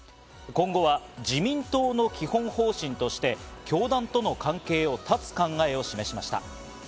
今後は自民党の基本方針として教団との関係を断つ考えを示しました。